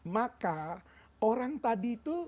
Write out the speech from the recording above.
maka orang tadi itu